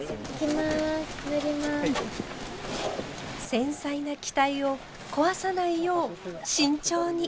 繊細な機体を壊さないよう慎重に。